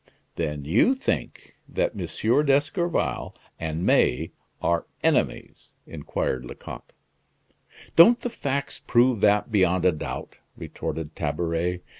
"Then you think that M. d'Escorval and May are enemies?" inquired Lecoq. "Don't the facts prove that beyond a doubt?" retorted Tabaret.